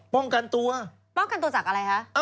ป้องกันตัวป้องกันตัวจากอะไรคะ